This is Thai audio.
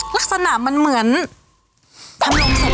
ลักษณะมันเหมือนทำโรงเทปเลยอ่ะค่ะ